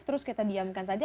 terus kita diamkan saja